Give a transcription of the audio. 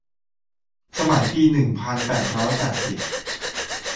สมัยปีหนึ่งพันแปดร้อยแปดสิบ